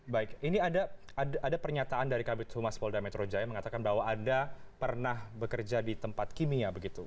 baik ini ada pernyataan dari kabit humas polda metro jaya mengatakan bahwa anda pernah bekerja di tempat kimia begitu